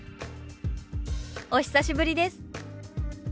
「お久しぶりです」。